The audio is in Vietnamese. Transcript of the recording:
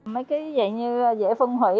mấy cái dạy như dễ phân hồi